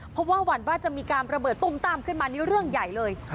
เพราะว่าหวั่นว่าจะมีการระเบิดตุ้มต้ามขึ้นมานี่เรื่องใหญ่เลย